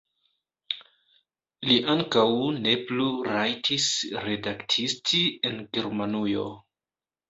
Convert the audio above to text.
Li ankaŭ ne plu rajtis redaktisti en Germanujo.